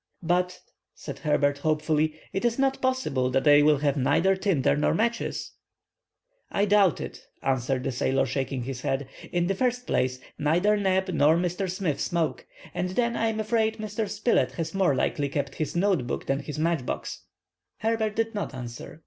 "But," said Herbert, hopefully, "it is not possible that they will have neither tinder nor matches." "I doubt it," answered the sailor, shaking his head. "In the first place, neither Neb nor Mr. Smith smoke, and then I'm afraid Mr. Spilett has more likely kept his notebook than his match box." Herbert did not answer.